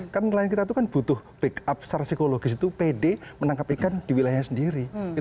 karena nelayan kita itu kan butuh backup secara psikologis itu pede menangkap ikan di wilayahnya sendiri